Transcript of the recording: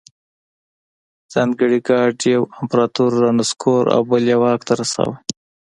ځانګړي ګارډ یو امپرتور رانسکور او بل یې واک ته رساوه.